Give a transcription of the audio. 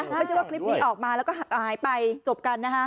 ไม่ใช่ว่าคลิปนี้ออกมาแล้วก็หายไปจบกันนะฮะ